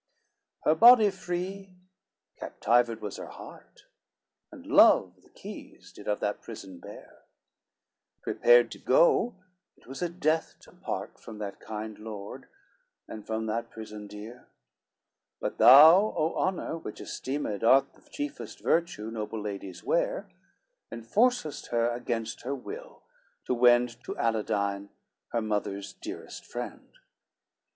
LVIII Her body free, captivated was her heart, And love the keys did of that prison bear, Prepared to go, it was a death to part From that kind Lord, and from that prison dear, But thou, O honor, which esteemed art The chiefest virtue noble ladies wear, Enforcest her against her will, to wend To Aladine, her mother's dearest friend.